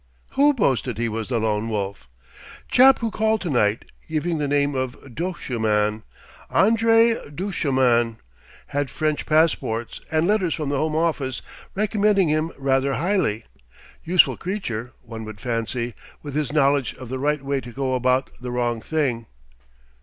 "Who boasted he was the Lone Wolf?" "Chap who called to night, giving the name of Duchemin André Duchemin. Had French passports, and letters from the Home Office recommending him rather highly. Useful creature, one would fancy, with his knowledge of the right way to go about the wrong thing.